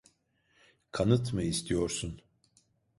Kanıt mı istiyorsun?